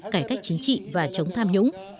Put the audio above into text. cải cách chính trị và chống tham nhũng